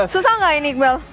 susah nggak ini iqbal